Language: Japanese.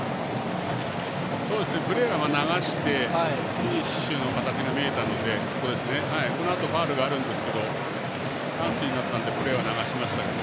プレーを流してフィニッシュの形が見えたのでこのあとファウルがあるんですけどチャンスになったのでプレーは流しましたけど。